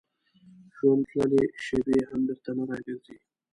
ژوند تللې شېبې هم بېرته نه راګرځي.